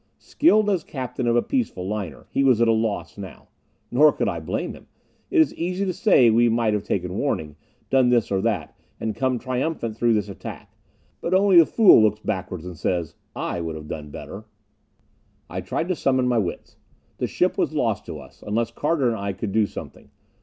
Skilled as captain of a peaceful liner, he was at a loss now. Nor could I blame him. It is easy to say we might have taken warning, done this or that, and come triumphant through this attack. But only the fool looks backward and says, "I would have done better." I tried to summon my wits. The ship was lost to us, unless Carter and I could do something.